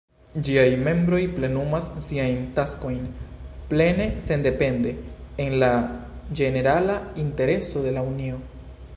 Ĝiaj membroj plenumas siajn taskojn plene sendepende, en la ĝenerala intereso de la Unio.